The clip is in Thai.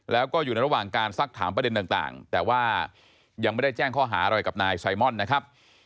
แล้วก็อยู่ในระหว่างการซักถามประเด็นต่างแต่ว่ายังไม่ได้แจ้งข้อหาอะไรกับนายไซมอนนะครับ